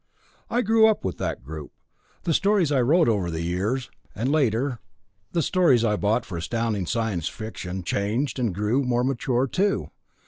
I grew up with that group; the stories I wrote over the years, and, later, the stories I bought for Astounding Science Fiction changed and grew more mature too.